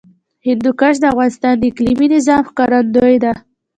هندوکش د افغانستان د اقلیمي نظام ښکارندوی ده.